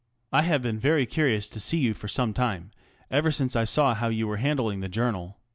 I have been very curious to see you for some time, ever since I saw how you were handling the Journal.